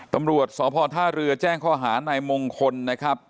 ตำรวจสพท่าเรือแจ้งข้อหานายมงคลนะครับ